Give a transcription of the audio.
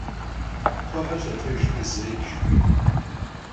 «Кхъуэхэр лъэтэжмэ!» - зэикӀ жыхуиӏэу.